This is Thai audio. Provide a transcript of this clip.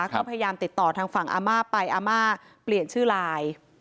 ก็พยายามติดต่อทางฝั่งอาม่าไปอาม่าเปลี่ยนชื่อไลน์